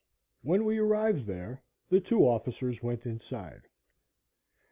When we arrived there, the two officers went inside.